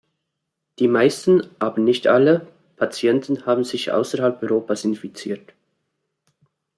Die meisten, aber nicht alle, Patienten haben sich außerhalb Europas infiziert.